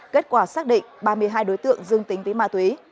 kết quả xác định ba mươi hai đối tượng dương tính với ma túy